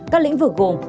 các lĩnh vực gồm